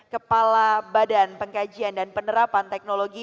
kepala badan pengkajian dan penerapan teknologi